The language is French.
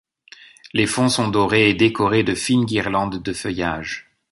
Les fonds sont dorés et décorés de fines guirlandes de feuillages.